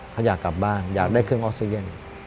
เขาอยากกลับบ้านอยากได้เครื่องออกซิเจน